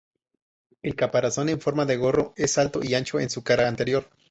El caparazón en forma de gorro es alto y ancho en su cara anterior.